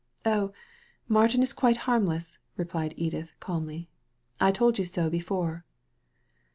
"Oh, Martin is quite harmless," replied Edith, calmly. " I told you so before."